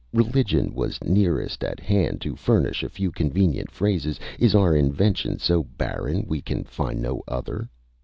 Because religion was nearest at hand to furnish a few convenient phrases, is our invention so barren we can find no other?